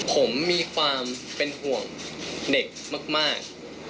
ผมมีความเป็นห่วงเด็กมาก